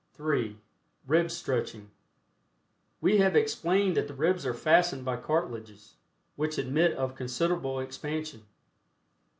(3) RIB STRETCHING. We have explained that the ribs are fastened by cartilages, which admit of considerable expansion.